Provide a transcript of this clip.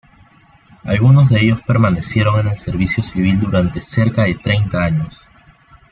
Algunos de ellos permanecieron en el servicio civil durante cerca de treinta años.